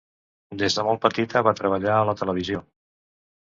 Des de molt petita va treballar a la televisió.